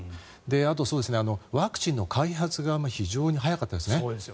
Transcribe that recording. あと、ワクチンの開発が非常に早かったですね。